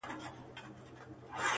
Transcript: زموږ ملا صاحب هغه زړه سرُنا وايي،